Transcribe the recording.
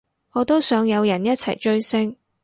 我都想有人一齊追星